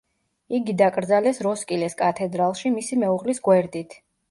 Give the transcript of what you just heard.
იგი დაკრძალეს როსკილეს კათედრალში, მისი მეუღლის გვერდით.